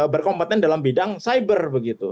berkompeten dalam bidang cyber begitu